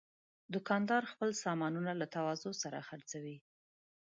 دوکاندار خپل سامانونه له تواضع سره خرڅوي.